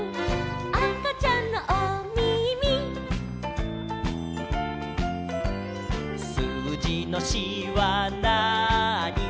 「あかちゃんのおみみ」「すうじの４はなーに」